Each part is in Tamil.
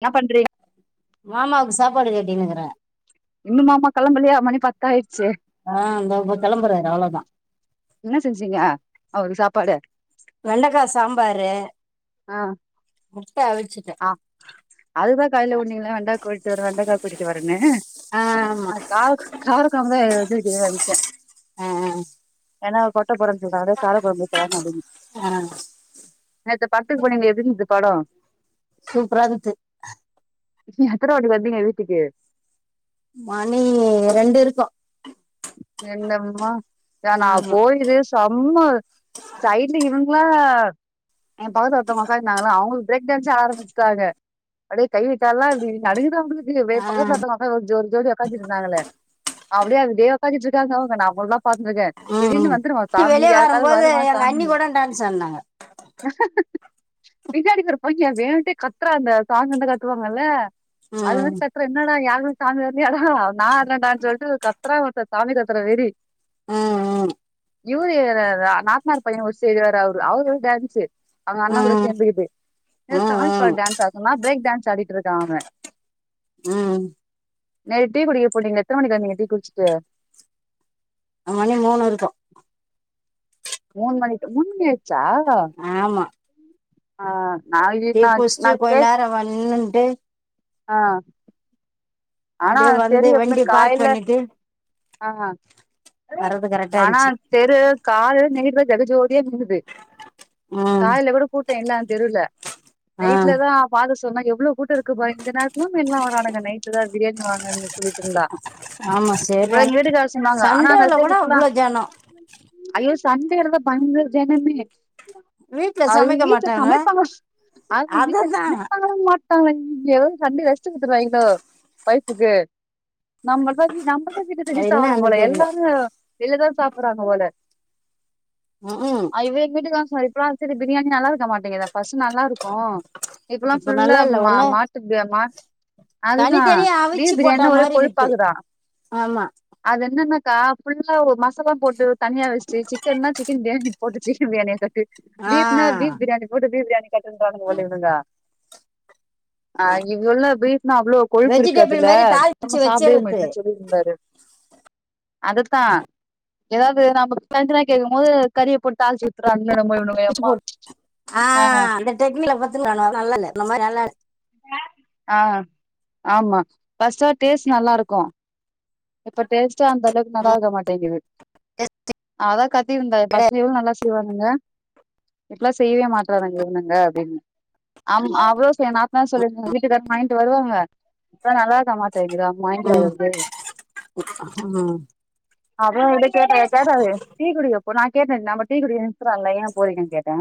என்ன பண்றீங் மாமாவுக்கு சாப்பாடு கட்டினுக்குறே இன்னு மாமா களம்பலயா மணி பத்தாயிடுச்சு ஆஹ் இந்த இந்தோ களம்புறாரு அவ்ளதா என்ன செஞ்சீங்க அவுர்க்கு சாப்பாடு வெண்டக்கா சாம்பாரு ஆ முட்ட அவுச்சு ஆ அதுதா காலைல ஓடுனீங்லா வந்தாகூட்டு வருவே வந்தாக்கா கூட்டிட்டு வரேனு ஆமா நாகார கார கொழம்பு அதுனு நெனச்சே ஆ ஏனா கொட்டைப் [unintelligible] கார கொழம்பு வச்சா நல்லது ஆ நேத்து படத்துக் போனீங்ளே எப்டி இருந்ச்சு படோ சூப்பரா இக்குது நீங்க எத்தன மணிக்கு வந்தீங்க வீட்டுக்கு மணி ரெண்டு இருக்கு என்னம்மா ஏ நா ஆமா போயுது செம்ம சைட்ல இவங்ளா ஏ பக்கத்துல ஒருத்தவங்க உக்காந்துருந்தாங்கள அவுங்க பிரேக் டேன்ஸே ஆரம்பிச்சுட்டாங்க அப்டே கை வெச்சாலா அப்டே நடுங்குது அப்டி பக்கத்துல ஒருத்தவங்க ஒரு ஜோடி ஜோடி உக்காந்து இருந்தாங்களே அப்டியே அதே உக்காந்துட் இருக்காங்க அவுங்க நா அவங்களதா பாத்துட்ருக்கே ம் திடீர்னு வந்துருமா ம் சாமி வெளியே யாருக்காவ்து வரும்போது வருமா எங்க சாமி அண்ணி கூட டான்ஸ் ஆடினாங்க பின்னாடிக்குற பைய்யன் வேணுட்டே கத்றாங்க சாங் வந்தா கத்துவாங்கல்ல அது ம் வந்த கத்தறான் என்னடா யாருக்கு சாமி வர்லயாடா நா ஆடுறன்டானு சொல்லிட்டு கத்துறா சாமிக் அத்தன வெறி ம் ம் இவரு நாத்துனாறு பைய ஒரு செய்றவரு அவரு அவர் டான்ஸூ அவுங்க அண்ணங்கூட ம் சேந்துக்கிட்டு ம் ம் சாமிப்பாட்டுக் டான்ஸ் ஆட சொன்னா பிரேக் டான்ஸ் ஆடிட்டு இருக்கா அவே ம் நேத் டீ குடிக்க போனீங்ளே எத்தன மணிக்கு வந்தீங்க டீ குடிச்சிட்டு மணி மூணு இருக்கு மூணு மணிக்கு மூண் மணிஆயிச்சா ஆமா ஆ நாளைக்கு டீ இன்னாச் குடிச்சிட்டு கொஞ்ச இன்னாச்சே நேரம் நின்னுட்டு ஆ ஆனா அப்படியே வந்து தெரியு எப்மே வண்டி பார்க் காய்ல பண்ணிட்டு ஆ வர்றது கரெக்டா ஆனா இருந்துச்சு தெரு காலைய்ல நைட்று ஜக ஜோதியா மின்னுது ம் காலைல கூட கூட்டோ என்னா தெருவ்ல ஆ நைட்லதா பாக்க சொன்னா எவ்ளோ கூட்ட இருக்குப்பாரே இந்த நேர்த்துலும் இன்னு வராானுங்க நைட்ல தா பிரியாணி வாங்கன்னு சொல்லிட் இருந்தா ஆமா அப்டே செரியான எங்க வீட்டுக்காரு சொன்னாங்க ஆனா அது சண்டேவுல சரி கூட இப்பல்லா அவ்ளோ ஜனோ ஐயோ சண்டேல தா பயங்கர ஜனமே வீட்ல அது சமைக்க வீட்ல மாட்டாங்க சமைப்பாங்ளா அது வீட்ல அததா சமைப்பாங்ளா மாட் [unintelligible] சண்டே ரெஸ்ட்டு குடுத்துருவாய்ங்ளோ வைஃப்புக்கு நம்ம தா நம்ம தா வீட்ல செஞ்சு அது சாவ்ரோம் என்னான்னு போல தெர்ல எல்லாரு வெளில தா சாப்புறாங்க போல ம்ஹூம் ஹை வே உங் வீட்டுகாரு இப்பெல்லா அது சரி பிரியாணி நல்லா இருக்க மாட்டங்கதே ஃபஸ்ட் நல்லாருக்கு இப்பல்லா இப்ப ஃபுல்லா நல்லா இல்ல மா ஒண்ணு மாட்டு பிரியா மாட்டு ஆ தனித்தனியா அவிச்சு பீப் போட்டா பிரியாணினா ஒரே மாரி கொழுப்பா இக்குது இக்குதா ஆமா அது என்னன்னாக்கா ஃபுல்லா ஒரு மசாலா போட்டு தனியா வெச்சட்டு சிக்கன்னா சிக்கன் பிரியாணி போட்டு சிக்கன் பிரியாணியா கட்டு ஆ பீப்னா பீப் பிரியாணி போட்டு பீப் பிரியாணி கட்டுன்னுறாங்க போல இவனுங்க அ இங்குல்ல பிஃப்னா அவ்ளோ கொழுப்பு வெஜிடபிள் இருக்காதுல மாரி தாளிச்சு சுத்தமா சாப்பிடவே வச்சிறது முடியன்னு சொல்லினு இருந்தாரு அதுத்தா எதாவ்து நம்மக் தனி தனியா கேக்கும் போது கறிய போட் தாழ்ச்சு ரன்லடும்போது இவ்னுங்க யப்பா ஆ டெக்னி அப்பத்து நானு நல்லால்ல இந்ந மார் சேல ஆ ஆமா பஸ்ச்சா டேஸ் நல்லாருக்கு இப்ப டேஸ்ட்டா அந்த அளவ்க் நல்லா இருக்க மாட்டேங்குது அதா கத்திருந்தா ஃபஸ்லியு நல்லாஸ் செய்வானுங்க எப்லா செய்யவே மாட்றானுங்க இவ்னுங்க அப்டின் அம் அவ்ளோசே நாத்தனா சொல்லிர்ங்க வீட்டுக்கார் மைன்ட்டு வருவாங்க ப நல்லாக்கமாட்டேங்கிதா மாய்ங்கு வளர்து உ ஆ ஹா [inaudible] அப்று இவ்ட்ட கேட்டே பேசாதே டீக்குடிக்கப்போறோ நா கேட்டே நாம டீக்குடிக்க நிர்த்துறாங்க ஏ போறிங்கே கேட்டே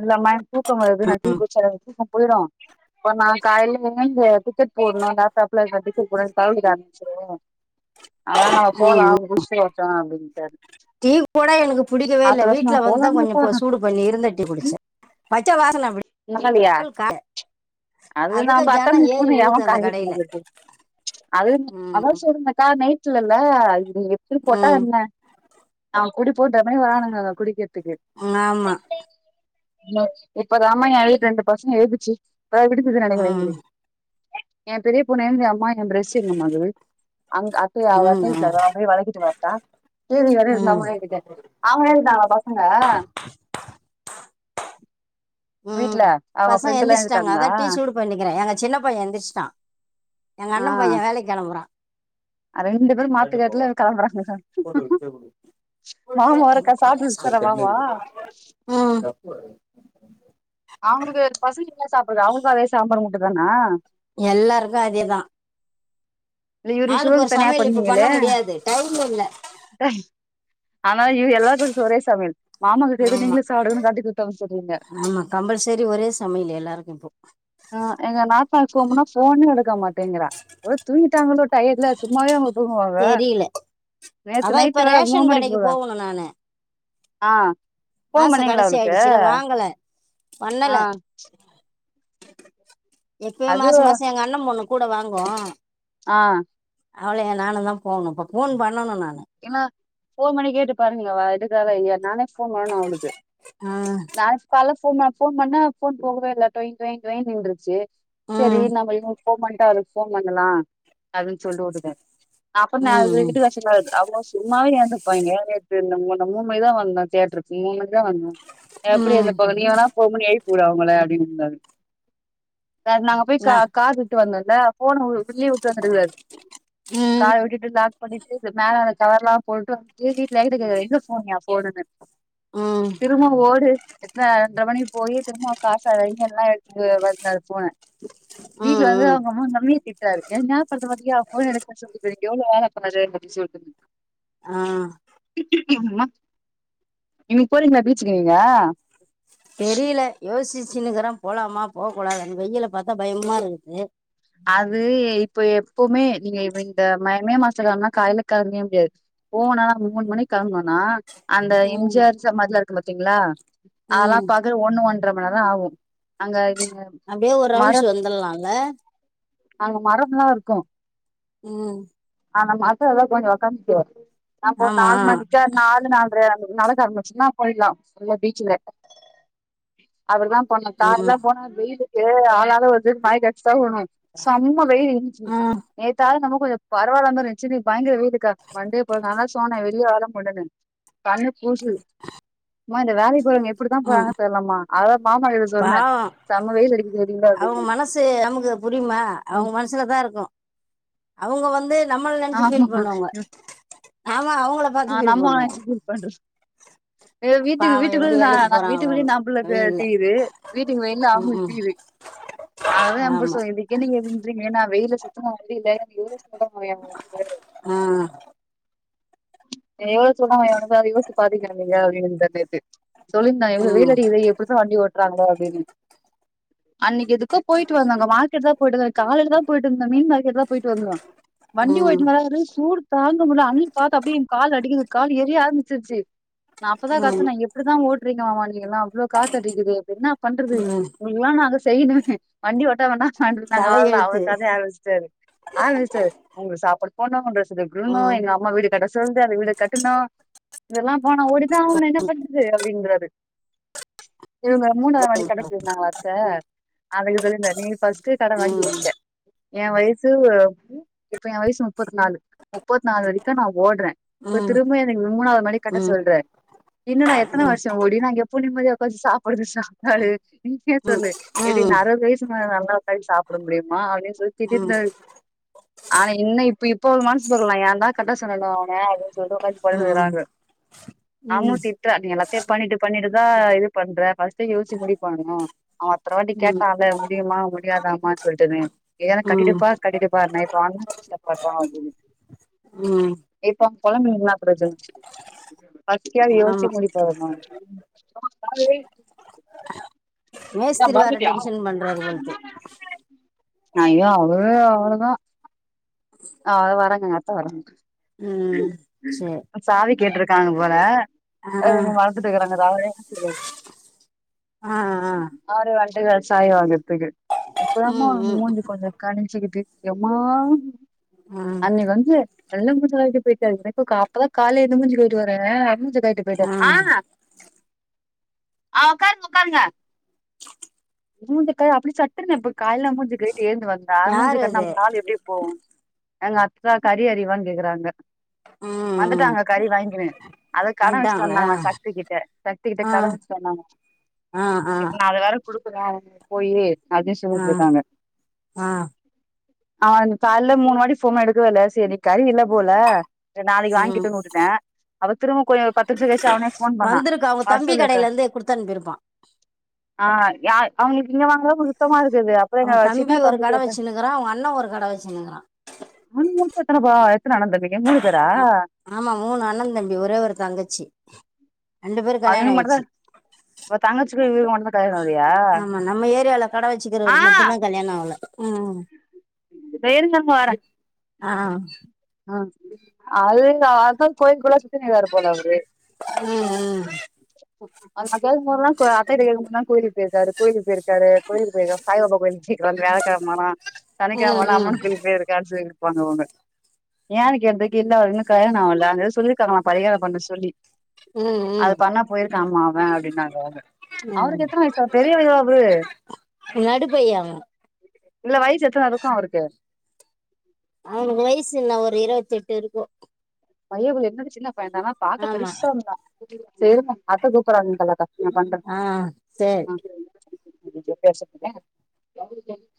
இல்ல மே தூக்கோ வருது நா டீ குச்சாதவ் தூக்கோ போய்டு ப நா காய்ல இங்கிந்து டிக்கெட் போட்னு லேப்டாப்ல க டிக்கெட் போட சரவ்ண்டி காமிச்சுது அதா நாங்க போலா ம் புஷ்ட்டு ஓட்டு அப்டின்ட்டு டீ கூட எனக்கு புடிக்கவே இல்ல வீட்ல வந்துதா கொஞ்சோ போ சூடு பண்ணி இருந்த டீ குடிச்சே பச்ச வாசன அப்டி நகலையா கால் கா அது நா பாத்த பூனை எவெ உழுது அந்த காலி கடையில பண்ணது இப்போ அதுன் ம் அதா சொர்றுன்னே கா ஆ நைட்லல்ல நீ எப்டி போட்டா ம் என்ன அ அவ் குடி போ டப்புன்னே வரானுங்கங்க குடிக்கிற்த்துக்கு ஆமா நோ இப்பதாமா எழுக் ரெண்டு பஸ்ஸுங்க எழுதுச்சி வ விடி இது நடைங்கரின் ம் கிரின் எ பெரிய பொன்னெம் எ அம்மா ய ப்ரஷ்ஷு எங்கமாங்குது அங் அத்தய அவ் ம் அத்தய் வீட்ல ம் இர்க்குறா வீ வளக்கிட்டு வர்ட்டா கேள்வி வர ம் இருந்தாமுவே என்கிட்ட அவ்ங்ளே இர்ந்தாங்கா பசங்க ம் வீட்ல அவங்க பசங்க ஃப்ரெண்டு் எல்லா எந்திர்ஷ்ட்டாங்க எழுந்துட்டாங்களா அதா டீ சூடு பண்ணிக்றே எங்க சின்ன பைய எந்திர்ஷ்ட்டா எங் அண்ண பைய வேலைக் கெளம்புறா அரெண்டு பேரு மாத்துக்கேட்ல கெளம்புற [unintelligible] மாமா ஒருக்கா சாப்ட்டு ஸ்த்தரவாமா ஆ அவ்ங்ளுக்கு பசிக்க என்ன சாப்றது அவ்ங்ளுக்கு அதே சாம்பார் மூட்டு தானா எல்லார்க்கு அதேதா லி இவரு ஆளுக்கு சுவருக் ஒரு தனியா சமையல் இப்ப பண்ண பண்ணீங்களே முடியாது டைம் இல்ல ஆனா எல்லாருக்கு ஒரே சமயல் மாமாக்கிட்ட எது ஆமா நீங்களே சாப்புடுங்கன்னு கட்டிகுடுத்தம்சு சொல்றீங்க ஆமா கம்பல்சரி ஒரே சமையல் எல்லாருக்கு இப்போ ஆ எங்க நாத்னார் ஃபோன் பண்ணா ஃபோனே எடுக்க மாட்டேங்குறா ஒரு தூங்கிட்டாங்களோ டயட்ல சும்மாவே அவுங்க தூங்குவாங்க தெரியல நேத்து அதான் இப்ப நைட்டு வேற மூணு ரேஷன் மணிக்கு கடைக்கு போறாங் போகணு நானு ஆ மாச கடைசியா அவளுக்கு ஆய்டுச்சுல்ல வாங்கல பண்ணல ஆ எப்யோ அது மாசோ மாசோ எங்க அண்ண பொண்ணு கூட வாங்கு ஆ அவ்ளேயா நானுதா போணு இப்போ போன் பண்ணணு நானு என்னா ஃபோன் பண்ணி கேட்டு பாருங்க அவ எடுக்காளா இல்யா நானே ஃபோன் பண்ணன் அவ்ளுக்கு ஆ கால்ல ஃபோன்மா ஃபோன் பண்ணா ஃபோன் போகவேல்ல டொய்ன் டொய்ன் டொய்ன் நின்றுச்சி செரி ம் நாம [unintelligible] ஃபோன் பண்ட்டா அதுக் ஃபோன் பண்ணலா அதுன் சொல்ட்டு வுட்டுடே அப்பன் நா‌ இது ம் வீட்டு வாஷின் மேது மோ சும்மாவே ஏந்துப்பாய்ங்கே நேத்து நம்மூ நா மூன் மணிக்தா வந்த தேட்ருக் மூன் மணிதா வந்தோ எப்டி அதுக ம் போக நீ‌ எதுல போ முடியய் புரா அவங்கள அப்டின்னுந்தா நாங்க போய் ந கார கார்வுட்டு வந்தோல்ல ஃபோனு புள்ளய விட்டு வந்துட்டுக்குறாரு ம் கார விட்டுட்டு லாக் பண்ணிட்டு மேல கவர்லா போட்டு வந்துட்டு வீட்ல வீட்டுக்கு எங்க ஃபோனியா ஃபோனுன்னு ம் திரும்ப ஓடு எட்ர எட்ர மணி போயி திரும்ப கார் சாவி வாங்கி எல்லா எடுத்து வந்தாரு ஃபோன வீட்ல ம் வந்து ம் அவுங்க அம்மா நம்ள திட் என்ன ‌பண்ற மாட்டியா ஃபோன எடுக்க சொல்லி எங்கோ வேலருக்கு [unintelligible] ஆ அம்மா இன்னைக்கு போறீங்களா பீச்சுக்கு நீங்க தெரில யோசிச்சுனுக்கிற போலாமா போக கூடாதான் வெயில பாத்தா பயமா இருக்குது அது இப்ப எப்பவுமே நீங்க இந்த மே மாசதுல கெலம்புனா காலைல கெலம்பவே முடியாது போனனா மூணு மணிக்கு கெலம்புனனா அந்த எம் ஜி ம் ஆர் சமாதிலா இருக்கு பாத்தீங்களா அதெல்லா ம் பாக்குற ஒண்ணு ஒன்ற மண் நேரோ ஆவு அங்க [unintelligible] அப்டே ஒரு ரவுண்ஸ் மரம் வந்தர்றால அங்க மரம்ல்லா இருக்கு ம் அந்த மசல்லா கொஞ்ச உக்காந்துட்டு நா போ ஆமா நாலு மணிக்கா நாலு நால்ற நடக்க அரம்பிச்சுதுனா போயிட்லா அந்த பீச்சுலே அவர்தா பன்னு தார் லா ம் போனா வெயிலுக்கு ஆளாளு வந்து மயக்கடிச் சகுணு செம்ம வெயில் இன்னகி ம் நேத்தாது நம்ம கொஞ்ச பரவால்லாம இருந்துச்சு நீ பயங்கர வெயிலுக்கா மண்டே பொ ஆனா சோனே வெளியே வரமாட்டனு கண்ணு கூசுது ஆமா இந்த வேலைக்கு போறவங்க எப் எப்டிதா ம் போறாங்க தெர்லம்மா அதா மாமா கிட்ட சொன்ன செம்ம வெயில் அடிக்குது வெளில அப்டின்னு சே நமக்கு புரியுமா அவங்க மனசுல தா இருக்கு அவங்க வந்து நம்மள நெனச்சு ஆமா ஃபீல் பண்ணுவாங்க நாம‌ அவுங்கள ஆ நம்ம ஒண்ணு நெனைச்சு ஃபீல் பன்றது ஏ வீட்டுக்கு பாவம் எப்படி வீட்டுக்குள்ள நா வேலைக்கு வீட்டுக்குள்ளே போறாங்களோன்னு நாம்புள்ள வெயில்ல தீயுது வீட்டுக்கு வெள்ல ம் அவுங்களுக்கு ம் தீயுது அதா எம் புருஷ ஆமா [unintelligible] என்னங்க இப்டி பண்றீங்க நா‌ வெயில்ல சுத்துனா [unintelligible] எனக்கு எவ்ள [unintelligible] ஆ எவ்ளோ சொன்னா எவனுக்காது யோஸ்ச்சு பாத்திங்களா நீங்க அப்டிந்தா நேத்து சொல்லிந்தா எவ்ளோ ம் வெயில்அடிக்குது எப் இப்புடிதா வண்டி ஓட்டுறாங்களோ அப்டின்னு அன்னைக்கு எதுக்கோ போய்ட்டு வந்தாங்க மார்க்கெட் தா போய்ட்டு வந்தாங்க காலைல தா போய்ட்டு வந்தோ மீன் மார்க்கெட் தா போய்ட்டு வந்தோ வண்டி ம் ஒயிட்டு வராரு சூடு தாங்க முல்ல அனல் காத்து அப்டே எ கால் அடிக்குது கால் எறிய ஆரம்பிச்சிருச்சு நா அப்பதா ம் காத்துனே எப்படிதா ஓட்ரீங்க மாமா நீங்க எல்லா அவ்வளோ காத்து அடிக்குது இப்ப என்ன பண்றது ம் உங்களுகேல்லா நாங்க செய்யணுமே வண்டி ஒட்டாம்ண்ணா நாங்க வாழலா தலையெழுத்து அவளுக்கு அததே ஆச்சு சரி ஆ மிஸ்டர் உங்க சாப்பாடு போனு டிரஸ் தைக்கணு ம் எங்க அம்மா வீடு கட்ட சொந்த அந்த வீட கட்டனு இதெல்லா போனா ஓடிதா ஆகனு என்ன பண்றது அப்டின்றரு இவுங்க மூணாவது மாடி கட்ட சொல்லிருந்தாங்களே‌ அத்த‌ அதுக்கு சொல்லிருந்தார் நீங்க ஃபஸ்ட்டே கடண் ம் வாங்கி‌வச்ச ஏ வயசு இப்ப ஏ வயசு முப்பத் நாலு முப்பத் நாலு வரைக்கு நா ஓட்றே இப்ப ம் திரும்ப என்ன மூணாவது மாடி கட்ட ம் சொல்ற இன்னு நா ம் ம் எத்தன ம் வருஷ ஓடி நாங்க எப் இப்ப நிம்மதியா உக்காந்து சாப்புடுது சாப்பாடு உண்மைய ம் சொல்லு எப்டி இந்த அறுவது வயசுமேல நல்லா ஓரு வாய் சாப்ட முடியுமா அப்டின்னு சொல்லி ம் திட்டின்னாரு ஆனா இன்னு இப்ப இப்ப ஒரு மனசு போக்ல நா ஏந்தா கட்ட சொன்னனோ அவன அப்டி சொல்ற மாறி பண்ணினுகிறாங்க ம் அம்மூட்டி த நீ எல்லாத்தையு பண்ணிட்டு பண்ணிட்டுதா இது பண்ற ஃபஸ்ட்டே யோஸ்சு முடிவுபண்ணனு அவ அத்தன வாட்டி கேட்டால முடியுமா முடியாதாமான்னு சொல்லிட்டுனு ஏர ம் கட்டிடுபா கட்டிடுபானே இப்ப அப்படுனு ம் இப்ப [unintelligible] பஸ் கேர் யோசுச்சு ஆமா முடிவுபன்னு மேஸ்திரி வேற டென்ஷன் பண்றாரு போல்து அயோ அவ்ள‌ அவ்ளதா ஆ வறகுங்க ம் சரி சாவி கேட்டுருக்காங்க போல ஆ அதுங்க வளந்துட்டுக்கறாங்க அது அவனே கத்துகுறது ஆ ஆ ஆறு அண்டுகள் சாய் வாகத்துக்கு எப்போதமோ ம் ம் மூஞ்சு கொஞ்ச கணுச்சுகிட்டு எம்மா ம் அன்னைக்கு வந்து மஞ்ச காயிட்டு போயிட்டாரு எனக்கு அப்பதான் கால எந்த மூஞ்சு போயிட்டு அ மஞ்ச காயிட்டு ஆ ஆஹ் ஆக்க ஒக்கார்ங்க ஒக்கார்ங்க மூஞ்ச க அப்படி சட்டுனே இப்ப காயல மூஞ்சு கயிட்டு ஏறந்து வந்தா மூஞ்ச யாரு க அது நம்ம நாள் எப்படி போவும் எங்க அத்தா கறி அறிவான்னு கேக்குறாங்க ம் ம் வந்துட்டாங்க கறி வாங்கினன் அதது கடன் வச்சிட்டு வந்ட்டாங்களா வந்தாங்க ஆ சக்த கிட்ட சக்தி கிட்ட கடன் வச்சிட்டு வந்தாங்க ஆ ஆ இப்ப நான் அதது வேற கொடுக்கலன் போயே அப்பின்னு ஆ சொல்லிட்டு இருக்காங்க ஆ அவ கால மூணு வாாடி போ எடுக்கவேல சரி நீ கறி இல்ல போல நாளைக்கு ம் வாங்கிக்க திரும்ப பத்தசு கச்ச அவனஃபோன் பண்ண வந்திருக்கு அவங்க தம்பி பாரசலக்க கடையில இருந்து குடுத்தனுப்பிருப்பான் ஆஹ் அவங்களுக்கு இங்க வாங்கத சுத்தமா இருக்குது அப்புறம் எங்க சின்ன தம்பி கேட்ட இருக்கிறன் அண்ணன் ஒரு கடைவைச்சு நக்கிறான் ஆன முச்சத்தன பா எத்தனை அனந்தமிங்க மூ பேரா ஆ ஆமா மூணு அண்ண தம்பி ஒரே ஒரு தங்கச்சி ரெண்டு பேரும் கல்யாணம் அவனுக்கு மட்டுந்தா ஆயிடுச்சு அவ தங்கச்சிக்கு இவருக்கு மட்டுந்தா கல்யாண ஆகலையா ஆமா நம்ம ஏரியாவில கட ஆ வச்சுக்கறவருக்கு மட்டு தா கல்யாணம் ஆகல ம் வேறு சொண்ண வர ஆ அ அது இல்ல அதா கோயில் கொள சு எத்தன வேற போன அவரு ம் அந்த கேதுக்குலாம் கோ அத்த கக்குல்ல கோில போயிருக்கரு கோயிலக்கு போயிருக்காரு கோிலுக்கு போயிருக்கா சாய்பாபா கோயில்கு சீக்கிர வந்துரு வியாழக்கழம ஆனா ம் சனிக்கழம ஆனா ம் அம்மன் கு பே இருக்கான்னு சொல்லிருப்பாங்க அவங்க ஏக்குேதுக்கு இல்ல அவருன்னு கல்யணம் ஆகல்ல சொல்லிருக்காங்க நா பரியாரம் பண்ண சொல்லி ம் அது ம் பண்ணா போயிருக்கம அவன் அப்படின்னாங்க அவங்க ம் அவருக்கு எத்தனை வயசா பெரிய வயோ அவரு நடுப்பையாங்க இல்ல வயசு எத்தனை இருக்கு அவருக்கு அவங்க வயசுன என்னஒரு இருவத்தி எட்டு இருக்கு பைய என்ன சின்ன பையனந்தனா பாக்க ஆமா பெருசாஇருந்தா அத்தை கூப்பிடறாங்க கலக்கா ந பந்தரு ஆ சேரி ஆ [unintelligible]